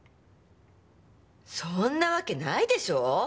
そんなわけないでしょ！